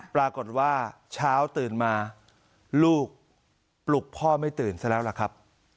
ปรากฏว่าเช้าตื่นมาลูกปลุกพ่อไม่ตื่นซะแล้วล่ะครับ